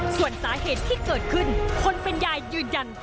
ส่วนสาเหตุที่เกิดขึ้นคนเป็นยายยืนยัน